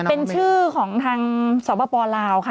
เป็นชื่อของทางสปลาวค่ะ